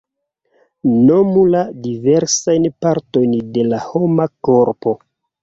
Nomu la diversajn partojn de la homa korpo.